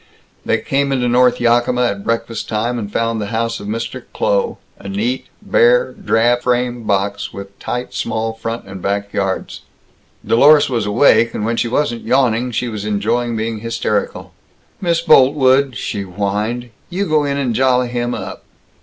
They came into North Yakima at breakfast time, and found the house of Mr. Kloh, a neat, bare, drab frame box, with tight small front and back yards. Dlorus was awake, and when she wasn't yawning, she was enjoying being hysterical. "Miss Boltwood," she whined, "you go in and jolly him up."